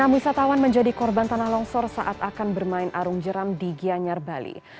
enam wisatawan menjadi korban tanah longsor saat akan bermain arung jeram di gianyar bali